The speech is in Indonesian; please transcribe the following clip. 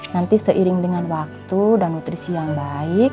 nanti seiring dengan waktu dan nutrisi yang baik